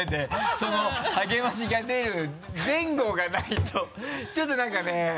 その励ましが出る前後がないとちょっと何かね。